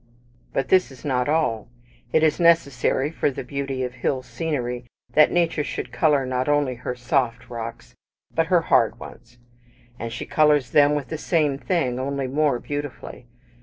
But this is not all. It is necessary for the beauty of hill scenery that Nature should colour not only her soft rocks, but her hard ones; and she colours them with the same thing, only more beautifully.